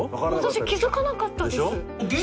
私気付かなかったです。